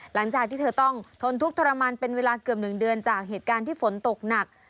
หลังจากที่เธอต้องทนทุกข์ทรมานเป็นเวลาเกือบ๑เดือนจากเหตุการณ์ที่ฝนตกหนัก